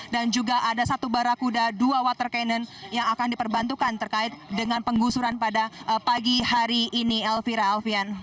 dan juga ada satu barakuda dua water cannon yang akan diperbantukan terkait dengan penggusuran pada pagi hari ini alfira alfian